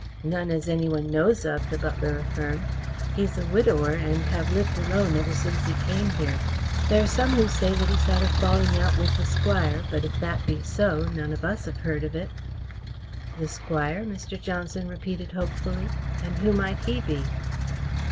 "None as any one knows of," the butler affirmed. "He's a widower and have lived alone ever since he came here. There are some who say that he's had a falling out with the Squire, but if that be so, none of us have heard of it." "The Squire?" Mr. Johnson repeated hopefully. "And who might he be?"